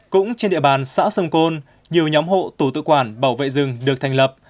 cũng trên địa bàn xã sông côn nhiều nhóm hộ tổ tự quản bảo vệ rừng được thành lập